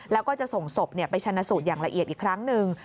แล้วก็จะส่งศพไปชนะสูตรอย่างละเอียดอีกครั้งหนึ่ง